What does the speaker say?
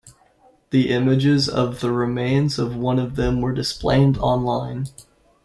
The images of the remains of one of them were displayed online.